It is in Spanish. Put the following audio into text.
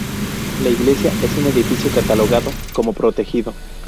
La iglesia es un edificio catalogado como protegido.